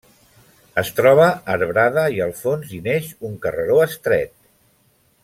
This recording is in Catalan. Es troba arbrada i al fons hi neix un carreró estret.